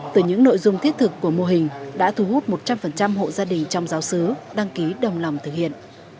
từ những nội dung thiết thực của mô hình đã thu hút một trăm linh hộ gia đình trong giáo sứ đăng ký đồng lòng thực hiện